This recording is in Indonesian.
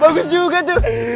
bagus juga tuh